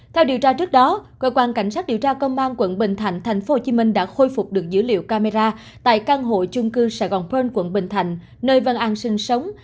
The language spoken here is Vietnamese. theo điều tra trước đó cơ quan cảnh sát điều tra công an quận bình thạnh tp hcm đã khôi phục được dữ liệu camera tại căn hộ chung cư sài gòn penh quận bình thạnh nơi văn an sinh sống